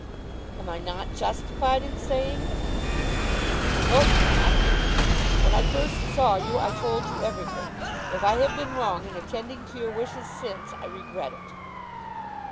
"Am I not justified in saying it?" "I hope not. When I first saw you I told you everything. If I have been wrong in attending to your wishes since, I regret it."